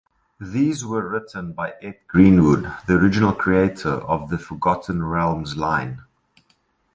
These were written by Ed Greenwood, the original creator of the Forgotten Realms line.